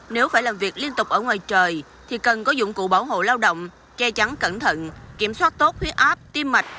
nếu phải làm việc liên tục ở ngoài trời thì cần có dụng cụ bảo hộ lao động che chắn cẩn thận kiểm soát tốt huyết áp tim mạch